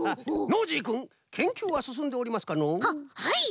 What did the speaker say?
ノージーくんけんきゅうはすすんでおりますかの？ははい。